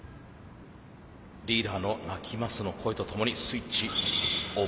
リーダーの「鳴きます」の声とともにスイッチオン。